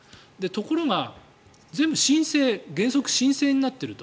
ところが、全部原則申請になっていると。